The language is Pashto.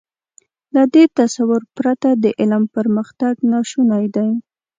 له دې تصور پرته د علم پرمختګ ناشونی دی.